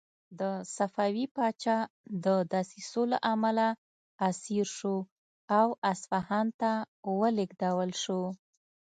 د صفوي پاچا د دسیسو له امله اسیر شو او اصفهان ته ولېږدول شو.